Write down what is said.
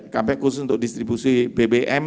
sampai khusus untuk distribusi bbm